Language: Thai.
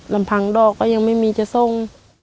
ลำพังดอกก็ยังไม่มีจะทรง